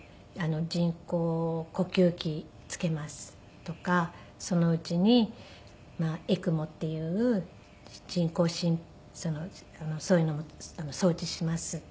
人工呼吸器つけますとかそのうちにＥＣＭＯっていう人工そういうのも装置します。